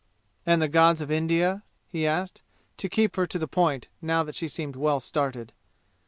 "And the gods of India?" he asked, to keep her to the point now that she seemed well started.